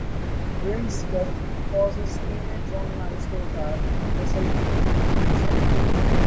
Rindt's death caused his teammate John Miles to retire and Wisell replaced him.